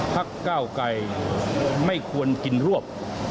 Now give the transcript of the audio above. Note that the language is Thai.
พักเก้าไกรไม่ควรกินร่วม